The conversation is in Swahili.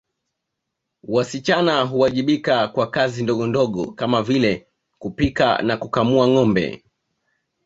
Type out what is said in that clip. Wasichana huwajibika kwa kazi ndogondogo kama vile kupika na kukamua ngombe